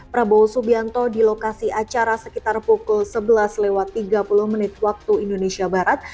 prabowo subianto di lokasi acara sekitar pukul sebelas tiga puluh menit waktu indonesia barat